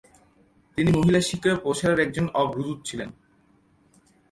তিনি মহিলা শিক্ষা প্রসারের একজন অগ্রদূত ছিলেন।